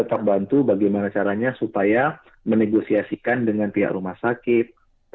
kita bantu bagaimana caranya supaya menegosiasikan dengan pihak rumah sakit